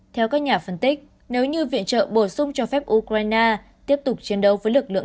theo các nhà phân tích nếu như viện trợ bổ sung cho phép ukraine tiếp tục chiến đấu với lực lượng